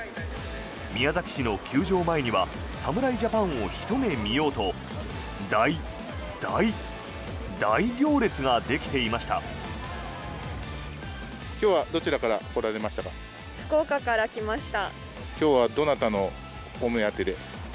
宮崎市の球場前には侍ジャパンをひと目見ようと大大大行列ができていました。